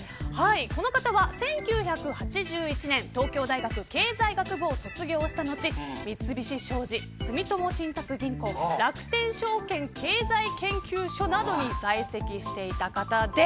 この方は１９８１年東京大学経済学部を卒業した後三菱商事、住友信託銀行楽天証券、経済研究所などに在籍していた方です。